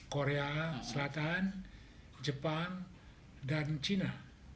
korea selatan jepang dan cina